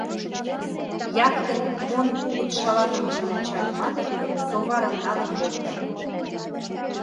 Яхтын мон кугыт шаланымыжым ончальымат, товарым налын лектым.